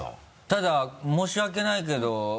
ただ申し訳ないけど。